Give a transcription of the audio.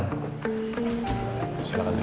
baru bisa masuk ke ruangan